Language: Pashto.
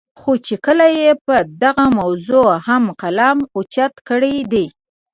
خو چې کله ئې پۀ دغه موضوع هم قلم اوچت کړے دے